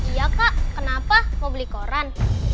iya kak kenapa mau beli koran